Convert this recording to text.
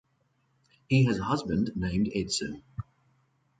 He has a husband named Edson.